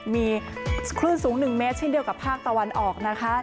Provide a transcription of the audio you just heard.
มีคลื่นสูง๑เมตรเช่นเดียวกับภาคตะวันออกนะคะ